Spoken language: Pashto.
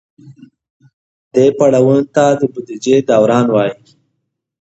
دې پړاوونو ته د بودیجې دوران وایي.